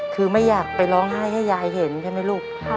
คือไม่อยากไปร้องไห้ให้ยายเห็นใช่ไหมลูก